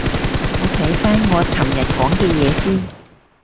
你睇返我尋日講嘅嘢先